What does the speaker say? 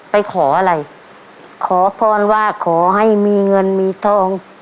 ไปขออะไรขอพรว่าขอให้มีเงินมีทอง